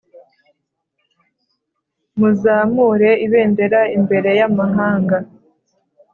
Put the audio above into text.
muzamure ibendera imbere y’amahanga.